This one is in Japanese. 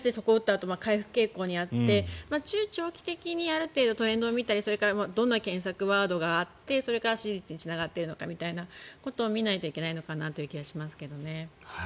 あと回復傾向にあって中長期的にある程度トレンドがあってそれからどんな検索ワードがあってそれから支持率につながっているのかみたいなことを見ないといけないのかなと思いますけどね。